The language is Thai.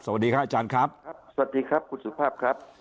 สวัสดีค่ะอาจารย์ครับสวัสดีครับคุณสุภาพครับ